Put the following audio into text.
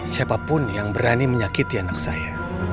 siapapun yang berani menyakiti anak saya